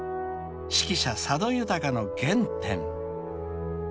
［指揮者佐渡裕の原点］